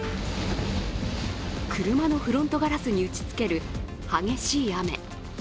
車のフロントガラスに打ちつける激しい雨。